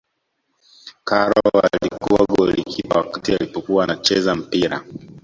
karol alikuwa golikipa wakati alipokuwa anacheza mpira